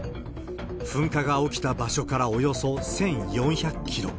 噴火が起きた場所からおよそ１４００キロ。